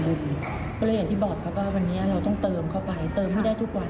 ก็เลยอย่างที่บอกครับว่าวันนี้เราต้องเติมเข้าไปเติมให้ได้ทุกวัน